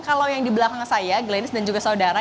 kalau yang di belakang saya glennis dan juga saudara